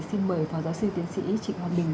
xin mời phó giáo sư tiến sĩ trịnh hòa bình